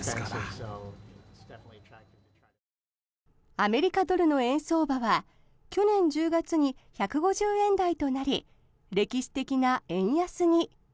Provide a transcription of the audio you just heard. アメリカドルの円相場は去年１０月に１５０円台となり歴史的な円安に。